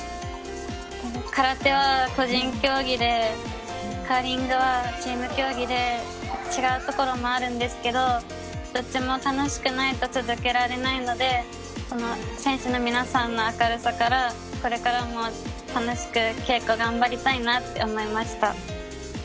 空手は個人競技でカーリングはチーム競技で違うところもあるんですけどどっちも楽しくないと続けられないので選手の皆さんの明るさからこれからも楽しく稽古頑張りたいなと思いました。